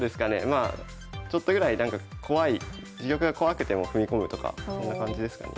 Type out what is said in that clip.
まあちょっとぐらい自玉が怖くても踏み込むとかそんな感じですかね